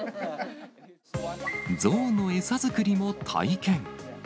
ゾウの餌作りも体験。